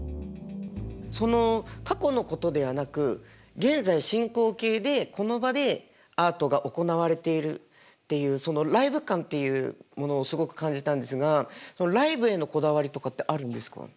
その過去のことではなく現在進行形でこの場でアートが行われているっていうそのライブ感っていうものをすごく感じたんですがそのライブへのこだわりとかってあるんですか？